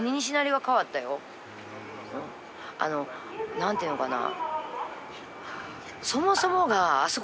何ていうのかな。